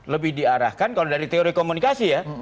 lebih diarahkan kalau dari teori komunikasi ya